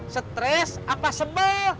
stres apa sebel